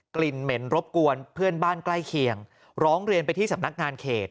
กลิ่นเหม็นรบกวนเพื่อนบ้านใกล้เคียงร้องเรียนไปที่สำนักงานเขต